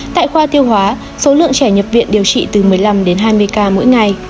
tại khoa tiêu hóa số lượng trẻ nhập viện điều trị từ một mươi năm đến hai mươi ca mỗi ngày